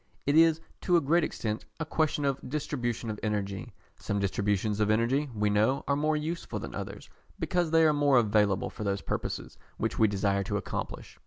It is to a great extent a question of distribution of energy. Some distributions of energy, we know, are more useful than others, because they are more available for those purposes which we desire to accomplish.